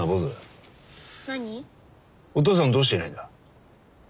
お父さんどうしていないんだ？